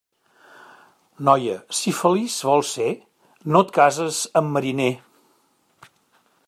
Noia, si feliç vols ser, no et cases amb mariner.